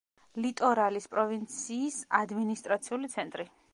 ლიტორალის პროვინციის ადმინისტრაციული ცენტრი.